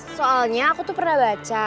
soalnya aku tuh pernah baca